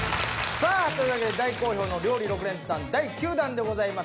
さあというわけで大好評の料理６連単第９弾でございます。